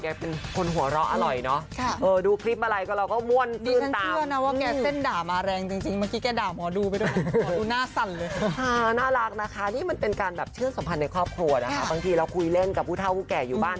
ใครเครียดก็ได้เรียกเสียงหัวเราะตอนอยู่บ้าน